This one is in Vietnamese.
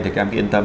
thì các em yên tâm